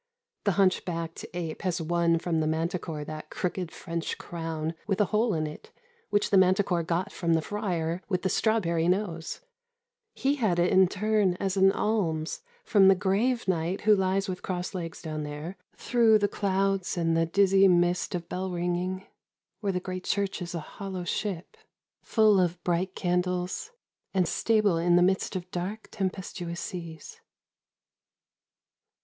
The hunch backed ape has won from the manticore that crooked French crown with a hole in it which the manticore got from the friar with the strawberry nose ; he had it in turn as an alms from the grave knight who lies with crossed legs down there, through the clouds and the dizzy mist of bell ringing, where the great church is a hollow ship, full of bright candles, and stable in the midst of dark tempestuous seas.